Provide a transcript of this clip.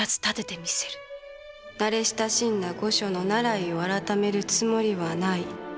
慣れ親しんだ御所の習いを改めるつもりはない。